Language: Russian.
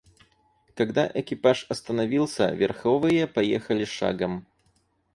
Когда экипаж остановился, верховые поехали шагом.